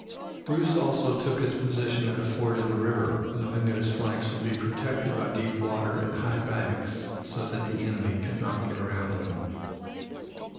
Bruce also took his position at a ford in the river, knowing that his flanks would be protected by deep water and high banks so that the enemy could not get around him.